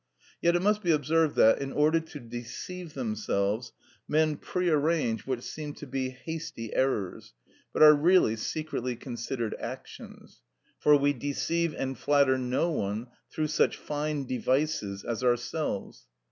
Yet it must be observed that, in order to deceive themselves, men prearrange what seem to be hasty errors, but are really secretly considered actions. For we deceive and flatter no one through such fine devices as ourselves.